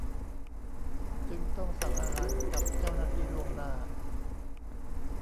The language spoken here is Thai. จึงต้องสั่งอาหารกับเจ้าหน้าที่ล่วงหน้า